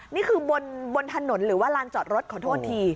นี่คือบนถนนหรือว่าลานจอดรถขอโทษที